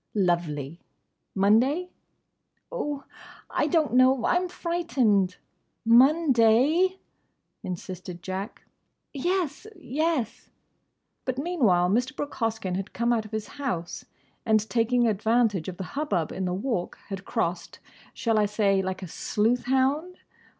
"Lovely!—Monday?" "Oh, I don't know. I'm frightened." "Monday?" insisted Jack. "Yes! Yes!" But meanwhile Mr. Brooke Hoskyn had come out of his house, and taking advantage of the hubbub in the Walk had crossed—shall I say like a sleuth hound?